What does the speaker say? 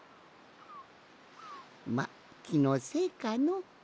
まっきのせいかの。